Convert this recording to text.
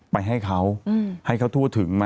ไปให้เค้าให้เค้าทั่วถึง